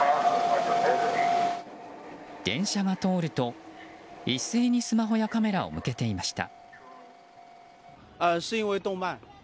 電車が通ると、一斉にスマホやカメラを向けていました。